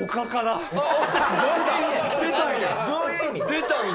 出たんや！